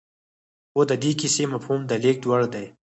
خو د دې کيسې مفهوم د لېږد وړ دی.